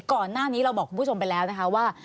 ก่อนหน้านี้เราบอกคุณผู้ชมไปแล้วนะคะว่า